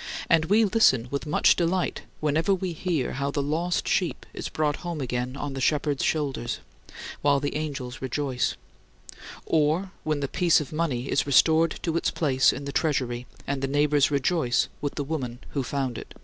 " And we listen with much delight whenever we hear how the lost sheep is brought home again on the shepherd's shoulders while the angels rejoice; or when the piece of money is restored to its place in the treasury and the neighbors rejoice with the woman who found it.